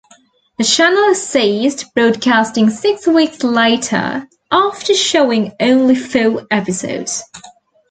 The channel ceased broadcasting six weeks later, after showing only four episodes.